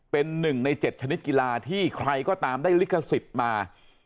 เป็น๑ใน๗ชนิดกีฬาที่ใครก็ตามได้ลิขสิทธิ์มา